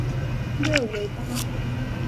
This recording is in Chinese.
勒维巴。